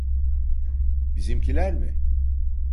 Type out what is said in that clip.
Bizimkiler mi?